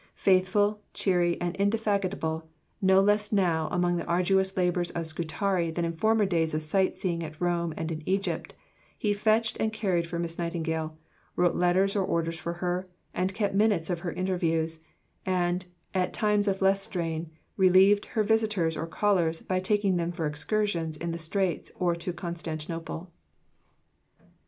Faithful, cheery, and indefatigable, no less now among the arduous labours of Scutari than in former days of sight seeing at Rome and in Egypt, he fetched and carried for Miss Nightingale, wrote letters or orders for her, and kept minutes of her interviews; and, at times of less strain, relieved her of visitors or callers by taking them for excursions in the Straits or to Constantinople.